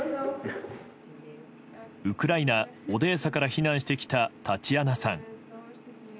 ウクライナ・オデーサから避難してきたタチアナさん。